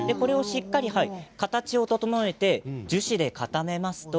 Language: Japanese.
形を整えて樹脂で固めますと